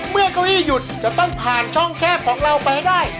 เก้าอี้หยุดจะต้องผ่านช่องแคบของเราไปให้ได้